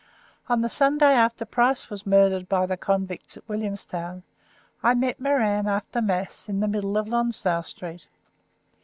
On the Sunday after Price was murdered by the convicts at Williamstown I met Moran after Mass in the middle of Lonsdale Street.